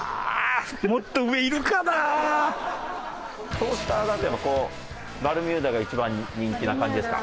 トースターだとやっぱこうバルミューダが一番人気な感じですか？